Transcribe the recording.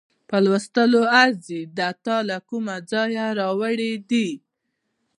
په لوستلو ارزي، دا تا له کومه ځایه راوړې دي؟